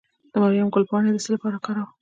د مریم ګلي پاڼې د څه لپاره وکاروم؟